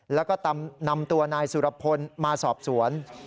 แล้วก็นำตัวนายสุรพลมาสอบสวน